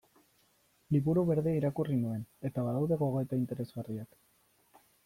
Liburu Berdea irakurri nuen, eta badaude gogoeta interesgarriak.